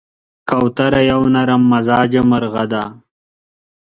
کوتره یو نرممزاجه مرغه ده.